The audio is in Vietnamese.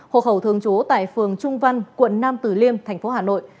hộ khẩu thường trú tại phường trung văn quận nam tử liêm thành phố hà nội